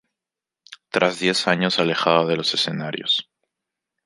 Tras diez años alejado de los escenarios.